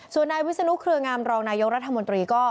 ส่วนนายวิศนุเครืองามรองนายกรัฐมนตรีก็